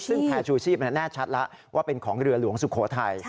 ซึ่งแพร่ชูชีพแน่ชัดแล้วว่าเป็นของเรือหลวงสุโขทัย